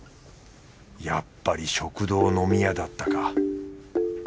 やっぱり食堂飲み屋だったか。